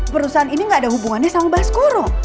perusahaan ini gak ada hubungannya sama baskoro